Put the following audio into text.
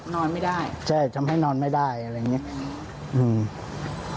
นอนไม่ได้ใช่ทำให้นอนไม่ได้อะไรอย่างเงี้ยอืม